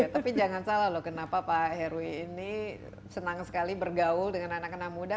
tapi jangan salah loh kenapa pak heru ini senang sekali bergaul dengan anak anak muda